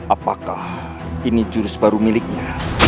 apakah ini jurus baru miliknya